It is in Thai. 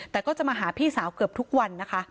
แต่ก็จะมาหาพี่สาวเกือบทุกวันนะคะ